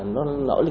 nó nổi lên